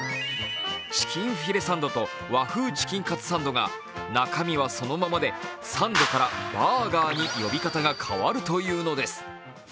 チキンフィレサンドと和風チキンカツサンドが中身はそのままで、サンドからバーガーに呼び方が変わるというのです。